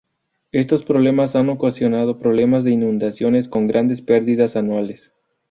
Estos problemas han ocasionado problemas de inundaciones con grandes perdidas anuales.